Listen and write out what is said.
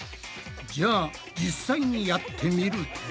じゃあ実際にやってみると。